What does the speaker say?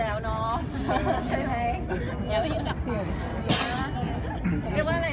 มันก็ไม่ไกลกันเลย